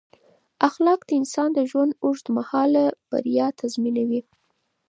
اخلاق د انسان د ژوند اوږد مهاله بریا تضمینوي.